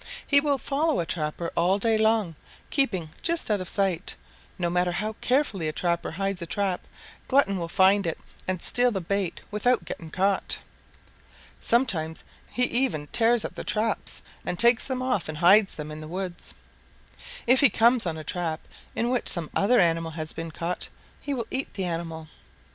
He will follow a trapper all day long, keeping just out of sight. No matter how carefully a trapper hides a trap, Glutton will find it and steal the bait without getting caught. Sometimes he even tears up the traps and takes them off and hides them in the woods. If he comes on a trap in which some other animal has been caught, he will eat the animal.